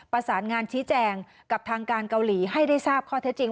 ประสานงานชี้แจงกับทางการเกาหลีให้ได้ทราบข้อเท็จจริง